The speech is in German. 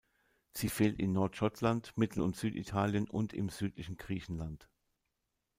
Sie fehlt in Nordschottland, Mittel- und Süditalien und im südlichen Griechenland.